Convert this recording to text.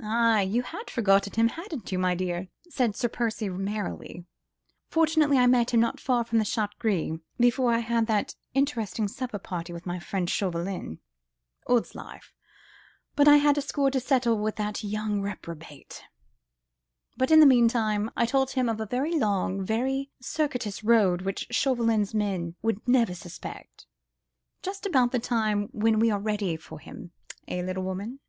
"Aye! you had forgotten him, hadn't you, m'dear?" said Sir Percy, merrily. "Fortunately, I met him, not far from the 'Chat Gris,' before I had that interesting supper party, with my friend Chauvelin. ... Odd's life! but I have a score to settle with that young reprobate!—but in the meanwhile, I told him of a very long, very roundabout road, that would bring him here by a very circuitous road which Chauvelin's men would never suspect, just about the time when we are ready for him, eh, little woman?"